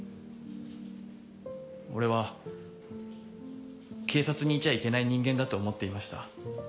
俺は警察にいちゃいけない人間だと思っていました。